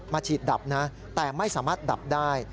ฉีดดับนะแต่ไม่สามารถดับได้